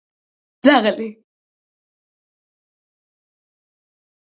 ძაღლი